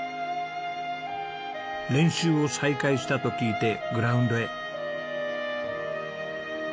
練習を再開したと聞いてグラウンドへ。